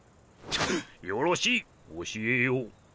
よろしい教えよう。